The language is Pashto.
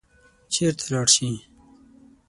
چېرته لاړ شي.